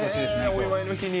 お祝いの日に。